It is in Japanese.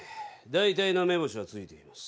大体の目星はついています。